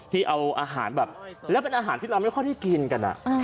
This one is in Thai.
ที่เป็นอาหารเราไม่ค่อยได้กินกัน